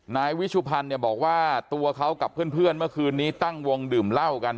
นายวิชุพันธ์เนี่ยบอกว่าตัวเขากับเพื่อนเมื่อคืนนี้ตั้งวงดื่มเหล้ากัน